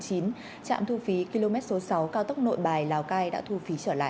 trạm thu phí km số sáu cao tốc nội bài lào cai đã thu phí trở lại